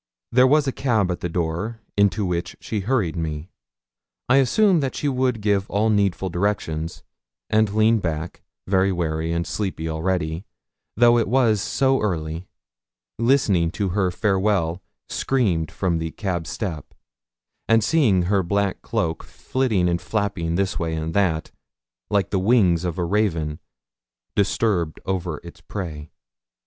There was a cab at the door, into which she hurried me. I assumed that she would give all needful directions, and leaned back, very weary and sleepy already, though it was so early, listening to her farewell screamed from the cab step, and seeing her black cloak flitting and flapping this way and that, like the wings of a raven disturbed over its prey.